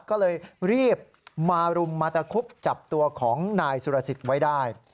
ก็เลยรีบมารุมมาตะคุบจับตัวของนายสุรสิทธิ์ไว้ได้